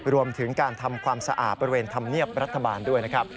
รวมถึงการทำความสะอาดบริเวณธรรมเนียบรัฐบาลด้วยนะครับ